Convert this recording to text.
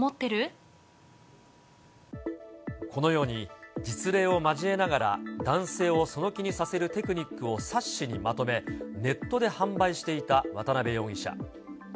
このように、実例を交えながら男性をその気にさせるテクニックを冊子にまとめ、ネットで販売していた渡辺容疑者。